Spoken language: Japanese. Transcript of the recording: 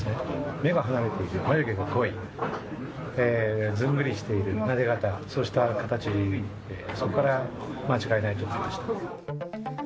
目が離れてて眉毛が濃い、ずんぐりしている、なで肩、そうした、そこから間違いないと思いました。